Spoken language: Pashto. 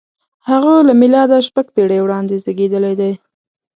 • هغه له مېلاده شپږ پېړۍ وړاندې زېږېدلی دی.